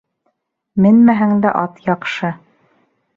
Менмәһәң дә ат яҡшы